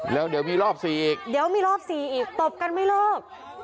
แล้วเดี๋ยวมีรอบ๔อีกเดี๋ยวมีรอบ๔อีกตบกันไม่เลิก